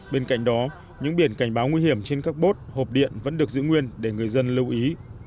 bên cạnh đó những biển cảnh báo nguy hiểm trên các bốt hộp điện vẫn được giữ nguyên để người dân lưu ý